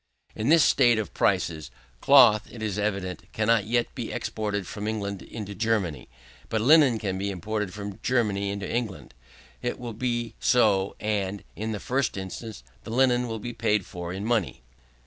In this state of prices, cloth, it is evident, cannot yet be exported from England into Germany. But linen can be imported from Germany into England. It will be so, and, in the first instance, the linen will be paid for in money.